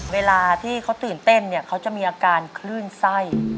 เวลาที่เขาตื่นเต้นเนี่ยเขาจะมีอาการคลื่นไส้